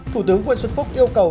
thủ tướng nguyễn xuân phúc yêu cầu